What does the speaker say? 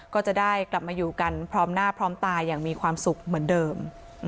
ก็จะได้กลับมาอยู่กันพร้อมหน้าพร้อมตาอย่างมีความสุขเหมือนเดิม